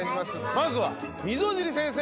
まずは溝尻先生。